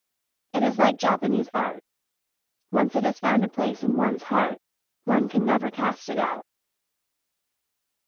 It is like Japanese art, once it has found a place in one's heart one can never cast it out.